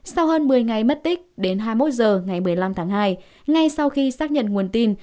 sau hơn một mươi ngày mất tích đến hai mươi một h ngày một mươi năm tháng hai ngay sau khi xác nhận nguồn tin